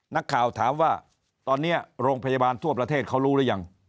นักข่าวถามว่าตอนนี้โรงพยาบาลทั่วประเทศเขารู้หรือยัง